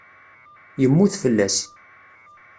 Yemmut fell-as.